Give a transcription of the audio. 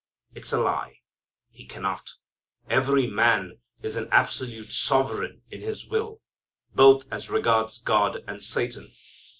It's a lie. He cannot. Every man is an absolute sovereign in his will, both as regards God and Satan.